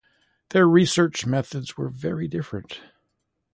Their research methods were very different.